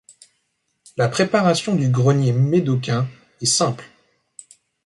La préparation du grenier médocain est simple.